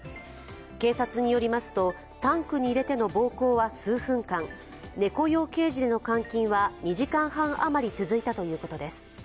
警察によりますと、タンクに入れての暴行は数分間猫用ケージでの監禁は２時間半余り続いたということです。